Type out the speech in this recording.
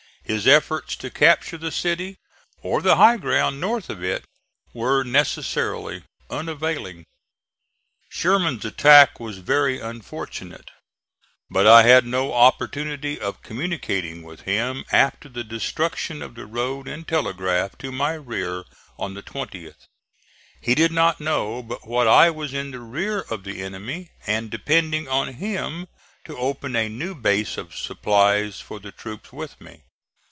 His efforts to capture the city, or the high ground north of it, were necessarily unavailing. Sherman's attack was very unfortunate, but I had no opportunity of communicating with him after the destruction of the road and telegraph to my rear on the 20th. He did not know but what I was in the rear of the enemy and depending on him to open a new base of supplies for the troops with me.